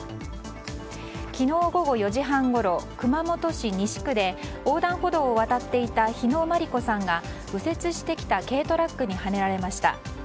昨日午後４時半ごろ熊本市西区で横断歩道を渡っていた日野真理子さんが右折してきた軽トラックにはねられました。